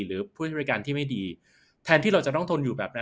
หรือผู้ใช้บริการที่ไม่ดีแทนที่เราจะต้องทนอยู่แบบนั้น